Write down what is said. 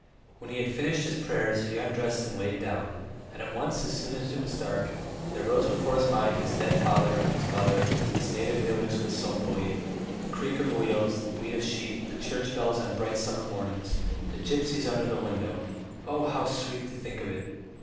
When he had finished his prayers he undressed and lay down, and at once, as soon as it was dark, there rose before his mind his dead father, his mother, his native village Lesopolye ... the creak of wheels, the bleat of sheep, the church bells on bright summer mornings, the gypsies under the window oh, how sweet to think of it!